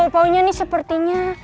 paunya nih sepertinya